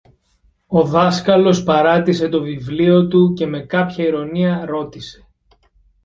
Ο δάσκαλος παράτησε το βιβλίο του και με κάποια ειρωνεία ρώτησε